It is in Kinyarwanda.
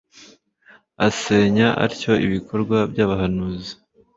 asenya atyo ibikorwa by'abahanuzi